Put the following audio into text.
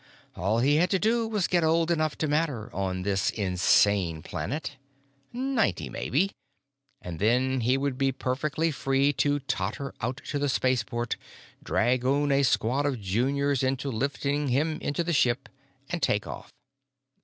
All he had to do was get old enough to matter, on this insane planet. Ninety, maybe. And then he would be perfectly free to totter out to the spaceport, dragoon a squad of juniors into lifting him into the ship, and take off....